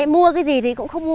mua cái gì thì cũng không mua